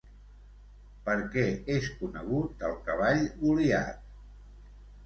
Per què és conegut el cavall Goliat?